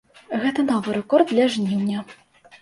Гэта новы рэкорд для жніўня.